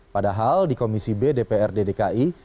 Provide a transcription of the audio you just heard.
padahal di komisi bdprd dki